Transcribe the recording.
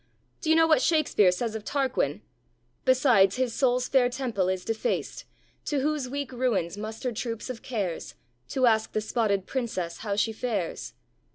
Do you know what Shakspere says of Tarquin Besides, his soul's fair temple is defaced; To whose weak ruins muster troops of cares, To ask the spotted princess how she fares